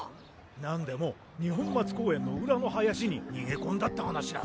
何でも二本松公園の裏の林に逃げ込んだって話だ。